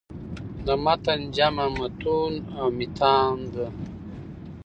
د متن جمع "مُتون" او "مِتان" ده.